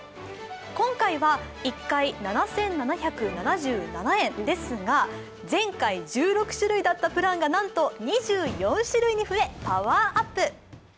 今回は１回７７７７円ですが前回１６種類だったプランがなんと２４種類に増えパワーアップ。